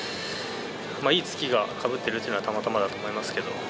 いい月がかぶってるというのはたまたまだと思いますけど。